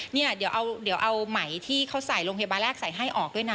เนี่ยเดี๋ยวเอาไหมที่เขาใส่โรงพยาบาลแรกใส่ให้ออกด้วยนะ